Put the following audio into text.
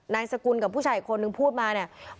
นายสกุลกับผู้ชายอีกคนนึงพูดมาเนี่ย